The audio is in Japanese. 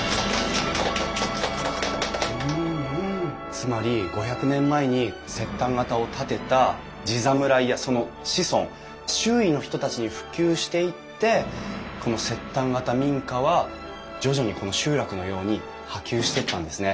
つまり５００年前に摂丹型を建てた地侍やその子孫周囲の人たちに普及していってこの摂丹型民家は徐々にこの集落のように波及していったんですね。